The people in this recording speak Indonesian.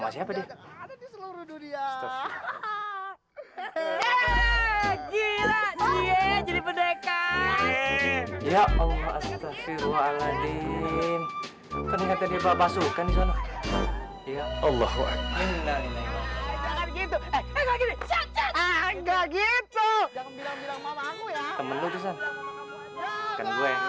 semoga kamu bisa menyadarkannya isinta